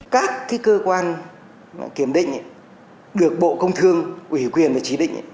các cơ quan kiểm định được bộ công thương ủy quyền và chỉ định